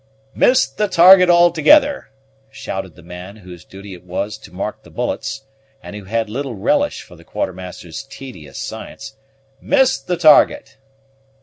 "Missed the target altogether!" shouted the man whose duty it was to mark the bullets, and who had little relish for the Quartermaster's tedious science. "Missed the target!"